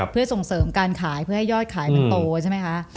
เพื่อส่งเสริมการขายเพื่อให้ยอดขายมันโตใช่ไหมคะ